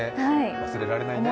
忘れられないね。